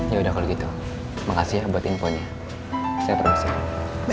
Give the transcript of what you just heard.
ya udah kalau gitu makasih ya buat infonya saya terima kasih selalu berhutang